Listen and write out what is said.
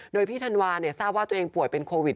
โดยพี่ธันวาทราบว่าตัวเองป่วยเป็นโควิด